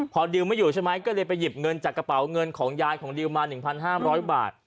พอดิวไม่อยู่ใช่ไหมก็เลยไปหยิบเงินจากกระเป๋าเงินของยายของดิวมา๑๕๐๐บาท